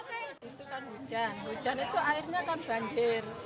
itu kan hujan hujan itu airnya kan banjir